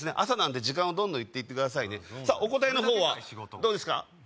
朝なんで時間をどんどん言っていってくださいねさあお答えの方はどうですか？